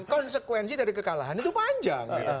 konsekuensi dari kekalahan itu panjang